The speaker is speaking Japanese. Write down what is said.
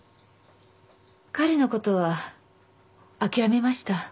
彼のことは諦めました。